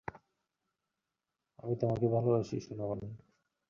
আমি তোমাকে ভালোবাসি, সোনামণি।